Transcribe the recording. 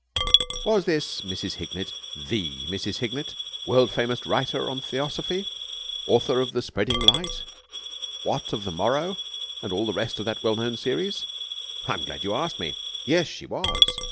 Was this Mrs. Hignett the Mrs. Hignett, the world famous writer on Theosophy, the author of "The Spreading Light," "What of the Morrow," and all the rest of that well known series? I'm glad you asked me. Yes, she was.